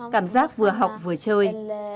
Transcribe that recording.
cảm giác vừa học vừa chơi